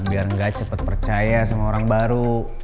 biar nggak cepet percaya sama orang baru